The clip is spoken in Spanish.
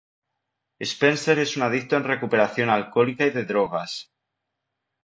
Spencer es un adicto en recuperación alcohólica y de drogas.